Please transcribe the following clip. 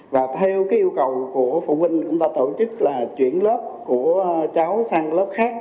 và theo cái yêu cầu của phụ huynh chúng ta tổ chức là chuyển lớp của cháu sang lớp khác